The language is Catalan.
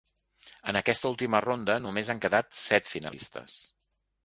En aquesta última ronda, només han quedat set finalistes.